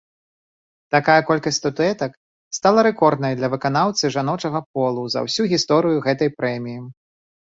Такая колькасць статуэтак стала рэкорднай для выканаўцы жаночага полу за ўсю гісторыю гэтай прэміі.